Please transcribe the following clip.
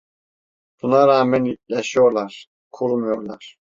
Buna rağmen yaşıyorlar, kurumuyorlar…